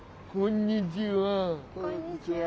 こんにちは。